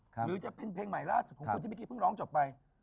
หรือจะเป็นเพลงใหม่ล่าสุดของคุณที่เมื่อกี้เพิ่งร้องจบไป